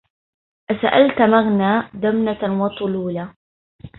أسألت مغنى دمنة وطلولا